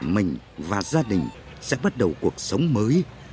mình và gia đình sẽ bắt đầu cuộc sống mới